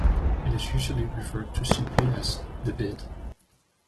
It is usually referred to simply as the "bid".